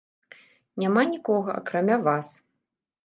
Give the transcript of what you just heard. Няма нікога, акрамя вас.